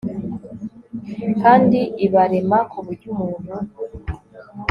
kandi ibarema ku buryo umuntu